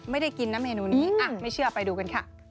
ไม่ได้กินนะเมนูนี้ไม่เชื่อไปดูกันค่ะ